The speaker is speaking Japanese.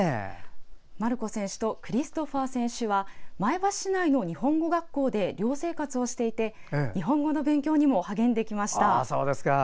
マルコ選手とクリストファー選手は前橋市内の日本語学校で寮生活をしていて日本語の勉強にも励んできました。